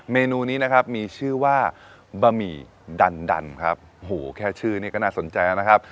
เมนูนี้นะครับมีชื่อว่าบะหมี่ดันดันครับโหแค่ชื่อนี่ก็น่าสนใจนะครับ